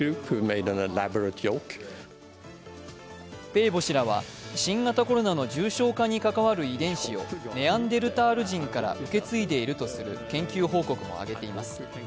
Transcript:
ペーボ氏らは新型コロナウイルスの重症化に関わる遺伝子をネアンデルタール人から受け継いでいるとする研究報告も上げています。